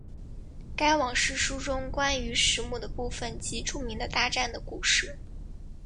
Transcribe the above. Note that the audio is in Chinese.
该往世书中关于时母的部分即著名的大战的故事。